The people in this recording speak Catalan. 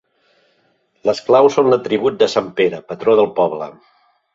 Les claus són l'atribut de sant Pere, patró del poble.